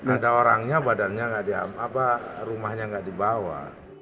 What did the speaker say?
ada orangnya badannya enggak di rumahnya enggak dibawa